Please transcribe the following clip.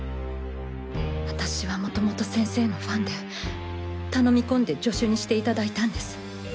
私は元々先生のファンで頼み込んで助手にしていただいたんです。